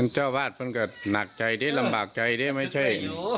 เจ้าอาวาสมันก็หนักใจด้วยลำบากใจด้วยไม่ใช่